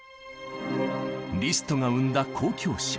リストが生んだ「交響詩」。